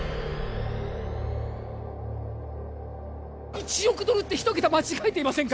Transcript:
１億ドルって一桁間違えていませんか？